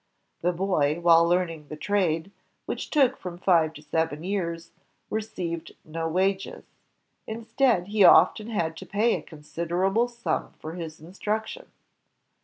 The boy while learning the trade, which took from five to seven years, received no wages. Instead, he often had to pay a considerable smn for his instruction.